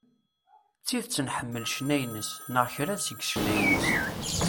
D tidet nḥemmel ccna-ines, neɣ kra seg ccna-ines.